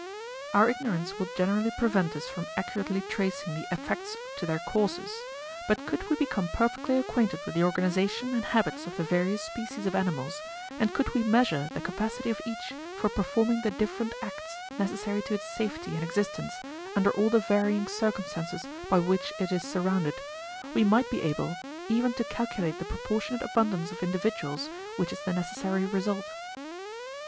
Our ignorance will generally prevent us from accurately tracing the effects to their causes; but could we become perfectly acquainted with the organization and habits of the various species of animals, and could we measure the capacity of each for performing the different acts necessary to its safety and existence under all the varying circumstances by which it is surrounded, we might be able even to calculate the proportionate abundance of individuals which is the necessary result.